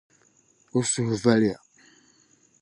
O suhu valiya.